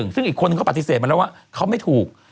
ซึ่งอีกคนนึงเขาปฏิเสธมาแล้วว่าเขาไม่ถูก